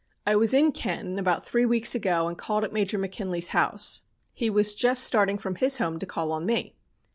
I was in Canton about three weeks ago and called at Major McKinley's house. He was just starting from his home to call on me.